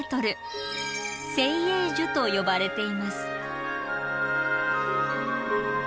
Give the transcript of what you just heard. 「精英樹」と呼ばれています。